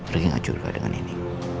ria gak curiga dengan ini